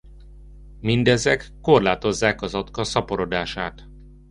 Mindezek korlátozzák az atka szaporodását.